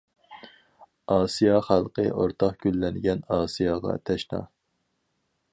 ئاسىيا خەلقى ئورتاق گۈللەنگەن ئاسىياغا تەشنا.